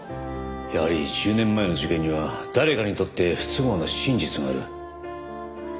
やはり１０年前の事件には誰かにとって不都合な真実がある。